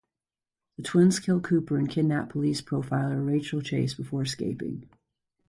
The twins kill Cooper and kidnap police profiler Rachel Chase before escaping.